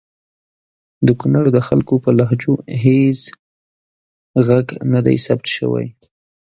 د کنړ د خلګو په لهجو هیڅ ږغ ندی ثبت سوی!